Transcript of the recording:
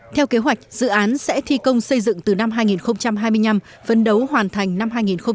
theo kỳ hoạch dự án sẽ thi công xây dựng từ năm hai nghìn hai mươi năm vấn đấu hoàn thành năm hai nghìn hai mươi sáu